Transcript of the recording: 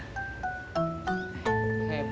bagaimana ya si hukum